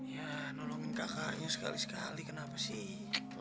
ya nolongin kakaknya sekali sekali kenapa sih